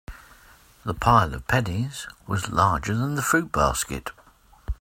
The pile of pennies was larger than the fruit basket.